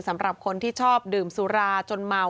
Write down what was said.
สำหรับคนที่ชอบดื่มสุราจนเมา